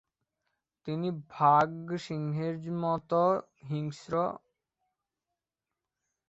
তিনি বাঘ, সিংহের মত হিংস্র পশু বশ করতে পারতেন।